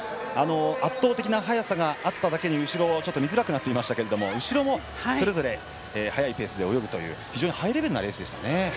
圧倒的な速さがあっただけに後ろが見づらくなっていましたが後ろもそれぞれ速いペースで泳ぐハイレベルなレースでした。